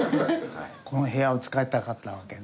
この部屋を使いたかったわけね。